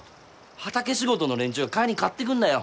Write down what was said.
畑仕事の連中が帰りに買ってくんだよ。